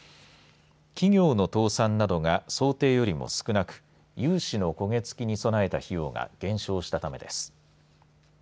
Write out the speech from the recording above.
企業の倒産などが想定よりも少なく融資の焦げ付きに備えた費用が減少したためです。